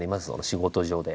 仕事上で。